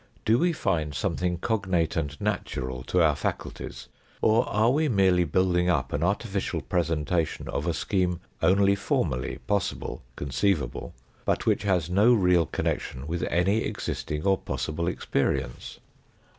Do we find something cognate and natural to our faculties, or are we merely building up an artificial presentation of a scheme only formally possible, conceivable, but which has no real connection with any existing or possible experience